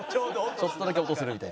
ちょっとだけ音するみたいな。